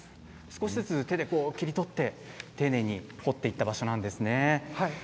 少しずつ手で切り取って丁寧に掘っていた場所なんですね。